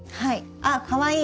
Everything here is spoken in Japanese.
あっかわいい。